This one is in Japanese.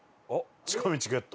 近道ゲット！